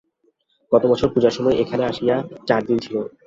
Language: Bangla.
গত বৎসর পূজার সময় এখানে আসিয়া চার দিন ছিল।